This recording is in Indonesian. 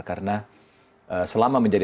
karena selama menjadi